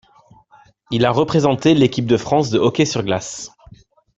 Il a représenté l'Équipe de France de hockey sur glace.